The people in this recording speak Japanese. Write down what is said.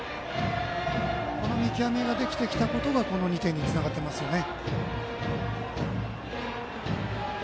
この見極めができてきたことが２点につながっていますよね。